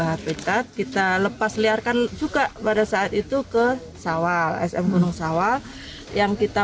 habitat kita lepasliarkan juga pada saat itu ke sawah sm gunung sawah yang kita